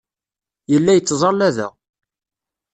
Yella yettẓalla da.